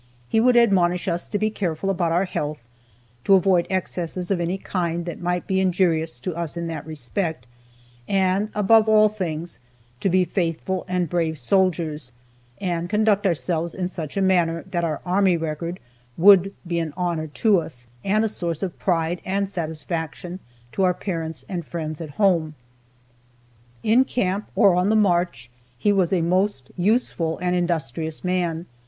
He would admonish us to be careful about our health, to avoid excesses of any kind that might be injurious to us in that respect, and above all things, to be faithful and brave soldiers, and conduct ourselves in such a manner that our army record would be an honor to us, and a source of pride and satisfaction to our parents and friends at home. In camp or on the march, he was a most useful and industrious man.